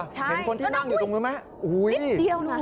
ใช่แล้วนี่อุ๊ยนิดเดียวหนูเห็นคนที่นั่งอยู่ตรงนึงไหม